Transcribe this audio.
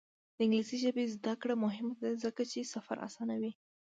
د انګلیسي ژبې زده کړه مهمه ده ځکه چې سفر اسانوي.